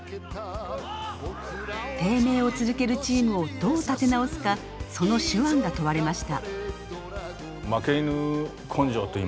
低迷を続けるチームをどう立て直すかその手腕が問われました。